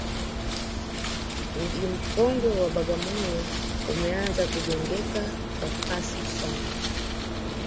mji mkongwe wa bagamoyo umeanza kujengeka kwa kasi sana